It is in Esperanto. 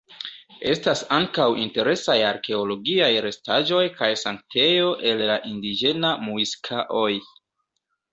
Estas ankaŭ interesaj arkeologiaj restaĵoj kaj sanktejo el la indiĝenaj mŭiska-oj.